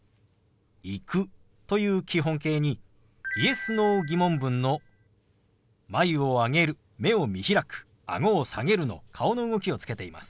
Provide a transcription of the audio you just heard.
「行く」という基本形にＹｅｓ−Ｎｏ疑問文の眉を上げる目を見開くあごを下げるの顔の動きをつけています。